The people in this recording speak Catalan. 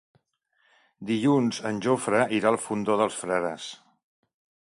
Dilluns en Jofre irà al Fondó dels Frares.